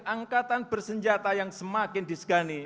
angkatan bersenjata yang semakin disegani